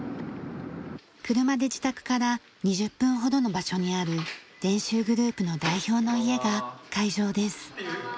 車で自宅から２０分ほどの場所にある練習グループの代表の家が会場です。